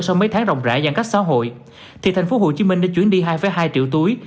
sau mấy tháng rộng rãi giãn cách xã hội thì tp hcm đã chuyển đi hai hai triệu túi